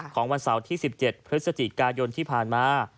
วันเสาร์ที่๑๗พฤศจิกายนที่ผ่านมา